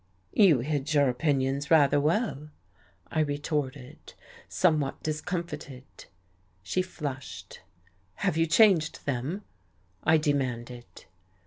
"You hid your opinions rather well," I retorted, somewhat discomfited. She flushed. "Have you changed them?" I demanded.